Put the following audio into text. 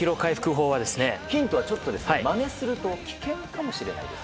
ヒントは、ちょっとまねすると危険かもしれないです。